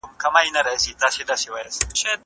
زه به اوږده موده انځور ليدلی وم!!